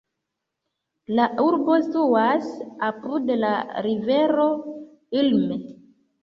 La urbo situas apud la rivero Ilm.